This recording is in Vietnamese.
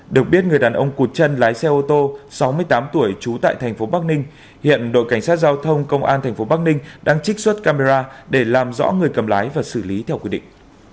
được biết người đàn ông cụt chân lái xe ô tô sáu mươi tám tuổi trú tại thành phố bắc ninh hiện đội cảnh sát giao thông công an tp bắc ninh đang trích xuất camera để làm rõ người cầm lái và xử lý theo quy định